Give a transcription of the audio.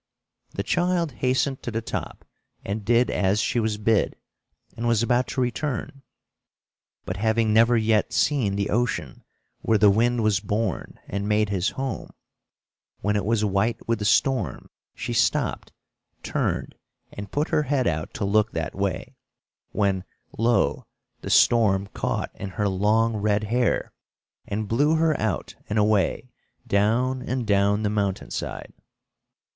The child hastened to the top and did as she was bid, and was about to return, but having never yet seen the ocean, where the wind was born and made his home, when it was white with the storm, she stopped, turned and put her head out to look that way, when lo! the storm caught in her long red hair, and blew her out and away down and down the mountain side.